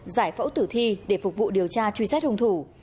giải phẫu tử thi để phục vụ điều tra truy xét hung thủ